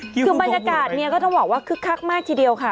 คือบรรยากาศเนี่ยก็ต้องบอกว่าคึกคักมากทีเดียวค่ะ